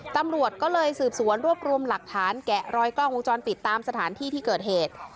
ตำรวจก็เลยสืบสวนรวบรวมหลักฐานแกะรอยกล้องวงจรปิดตามสถานที่ที่เกิดเหตุ